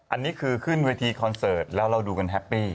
อันนี้คือขึ้นเวทีคอนเสิร์ตแล้วเราดูกันแฮปปี้